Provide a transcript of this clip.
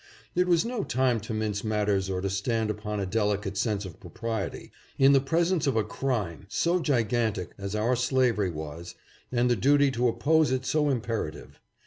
It was no time to mince matters or to stand upon a deli cate sense of propriety, in the presence of a crime so gigantic as our slavery was, and the duty to oppose it so imperative.